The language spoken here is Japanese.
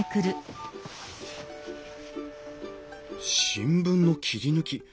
新聞の切り抜き